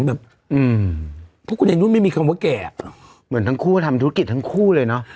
แบบอืมพวกคุณไอ้นุ่นไม่มีคำว่าแก่อ่ะเหมือนทั้งคู่ทำธุรกิจทั้งคู่เลยเนอะ